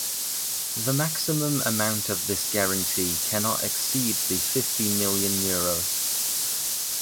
The maximum amount of this guarantee cannot exceed the fifty million euros.